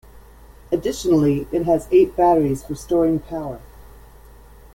Additionally, it has eight batteries for storing power.